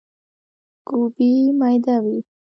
ګوبی ميده وي.